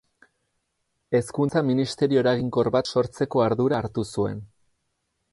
Hezkuntza ministerio eraginkor bat sortzeko ardura hartu zuen.